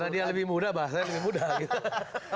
karena dia lebih muda bahasanya lebih muda gitu